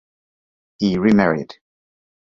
He remarried.